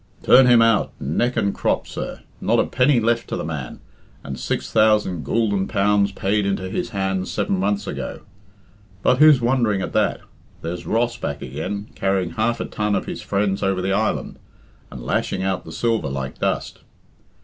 "Turn him out, neck and crop, sir. Not a penny left to the man, and six thousand goolden pounds paid into his hands seven months ago. But who's wondering at that? There's Ross back again, carrying half a ton of his friends over the island, and lashing out the silver like dust.